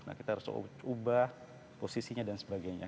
nah kita harus ubah posisinya dan sebagainya